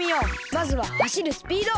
まずははしるスピード！